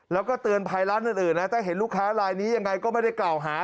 แล้วก็เตือนภัยร้านอื่นนะถ้าเห็นลูกค้าลายนี้ยังไงก็ไม่ได้กล่าวหา